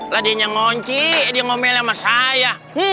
lah dia yang ngunci dia ngomel sama saya